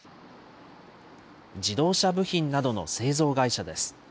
自動車部品などの製造会社です。